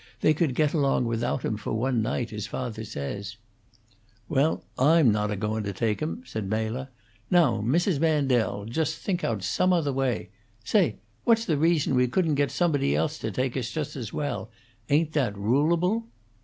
"They could get along without him for one night, as father says." "Well, I'm not a goun' to take him," said Mela. "Now, Mrs. Mandel, just think out some other way. Say! What's the reason we couldn't get somebody else to take us just as well? Ain't that rulable?"